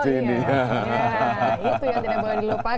itu yang tidak boleh dilupakan